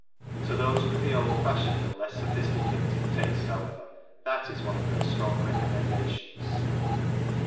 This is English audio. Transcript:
To those with the old fashioned and less sophisticated tastes, however, that is one of their strong recommendations.